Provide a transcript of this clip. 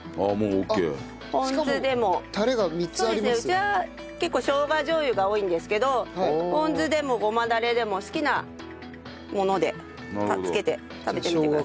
うちは結構生姜じょう油が多いんですけどポン酢でもごまだれでも好きなもので付けて食べてみてください。